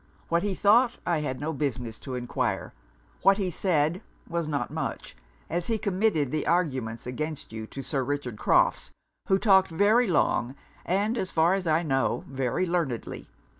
What he thought, I had no business to enquire; what he said, was not much; as he committed the arguments against you to Sir Richard Crofts, who talked very long, and, as far as I know, very learnedly.